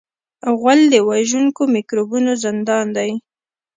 غول د وژونکو میکروبونو زندان دی.